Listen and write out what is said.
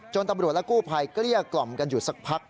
ตำรวจและกู้ภัยเกลี้ยกล่อมกันอยู่สักพัก